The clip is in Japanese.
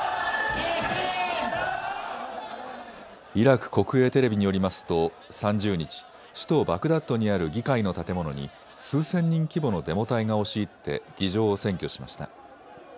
イラク国営テレビによりますと３０日、首都バグダッドにある議会の建物に数千人規模のデモ隊が押し入って議場を占拠しました。